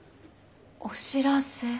お知らせ？